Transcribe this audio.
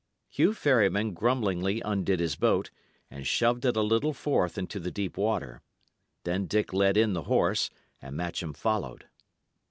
Hugh Ferryman grumblingly undid his boat, and shoved it a little forth into the deep water. Then Dick led in the horse, and Matcham followed.